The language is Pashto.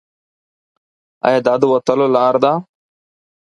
ایا دا د وتلو لار ده؟